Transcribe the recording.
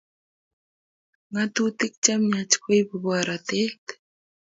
Ngatutik chemiach koibu borotet